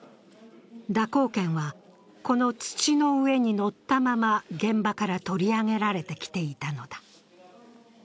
蛇行剣は、この土の上に乗ったまま現場から取り上げられてきていたのだ。